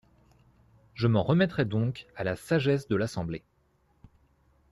Je m’en remettrai donc à la sagesse de l’Assemblée.